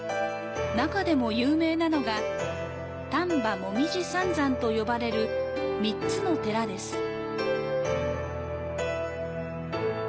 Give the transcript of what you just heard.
中でも有名なのが、丹波紅葉三山と呼ばれる３つの寺です。